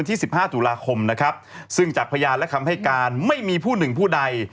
ที่๑๕ศุลาคมซึ่งจากพยานและคำให้การไม่มีผู้หนึ่งผู้ใด